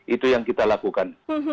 itu yang kita lakukan